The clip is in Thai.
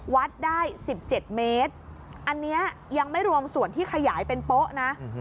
วัดได้๑๗เมตรอันนี้ยังไม่รวมส่วนที่ขยายเป็นโป๊ะนะ